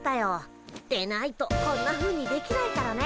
でないとこんなふうにできないからね。